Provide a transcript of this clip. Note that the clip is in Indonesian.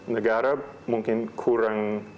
negara mungkin kurang